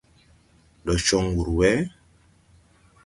Ndɛ cɔŋ wur wɛ ?